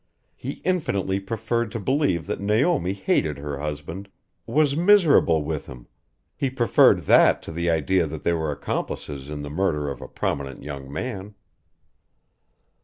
He infinitely preferred to believe that Naomi hated her husband was miserable with him he preferred that to the idea that they were accomplices in the murder of a prominent young man.